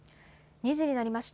２時になりました。